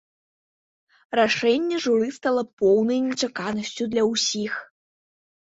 Рашэнне журы стала поўнай нечаканасцю для ўсіх.